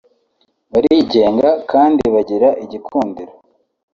barigenga kandi bagira igikundiro